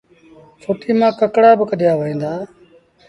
ڦُٽيٚ مآݩ ڪڪڙآ با ڪڍيآ وهيݩ دآ